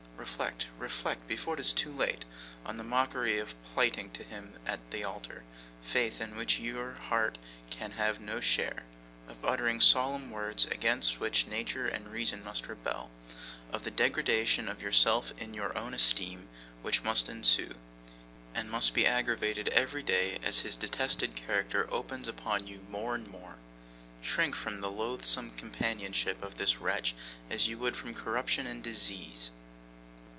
Reflect, reflect, before it is too late, on the mockery of plighting to him at the altar, faith in which your heart can have no share of uttering solemn words, against which nature and reason must rebel of the degradation of yourself in your own esteem, which must ensue, and must be aggravated every day, as his detested character opens upon you more and more. Shrink from the loathsome companionship of this wretch as you would from corruption and disease.